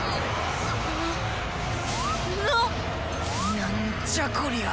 なんじゃこりゃああ！